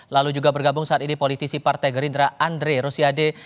lalu juga bergabung saat ini politisi partai gerindra andre rosiade